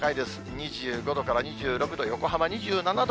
２５度から２６度、横浜２７度。